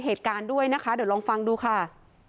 เหตุการณ์ด้วยนะคะเดี๋ยวลองฟังดูค่ะ